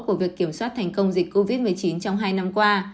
của việc kiểm soát thành công dịch covid một mươi chín trong hai năm qua